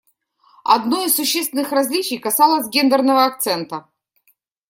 Одно из существенных различий касалось гендерного акцента.